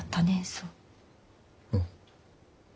うん。